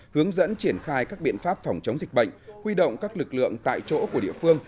hướng dẫn triển khai các biện pháp phòng chống dịch bệnh huy động các lực lượng tại chỗ của địa phương